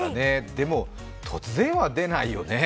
でも、突然は出ないよね。